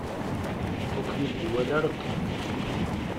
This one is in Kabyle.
Ur kem-id-iwala ara Tom.